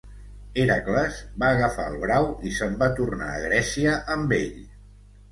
Hèracles va agafar el brau i se'n va tornar a Grècia amb ell.